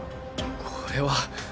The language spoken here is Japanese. これは。